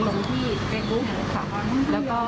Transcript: หมุนหนึ่งอ่าบาทหนึ่งหมุนสองอย่างเงี้ยค่ะแล้วก็เอา